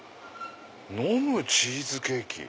飲むチーズケーキ？